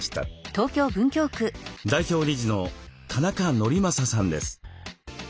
代表理事の田中法昌さんです。